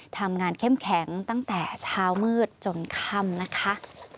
เข้มแข็งตั้งแต่เช้ามืดจนค่ำนะคะ